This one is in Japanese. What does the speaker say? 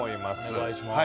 お願いします。